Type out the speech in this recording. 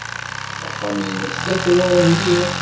Axxam-nnes d atrar mliḥ.